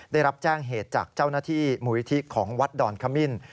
ได้รับแจ้งเหตุจากเจ้าหน้าที่มูลนิธิของวัดดอนขมิ้น